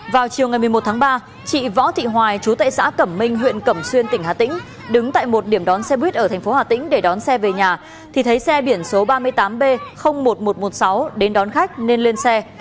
vào chiều ngày một mươi một tháng ba chị võ thị hoài chú tại xã cẩm minh huyện cẩm xuyên tỉnh hà tĩnh đứng tại một điểm đón xe buýt ở thành phố hà tĩnh để đón xe về nhà thì thấy xe biển số ba mươi tám b một nghìn một trăm một mươi sáu đến đón khách nên lên xe